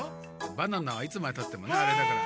バナナはいつまでたってもねあれだから。